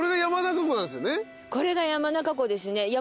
これが山中湖なんすよね？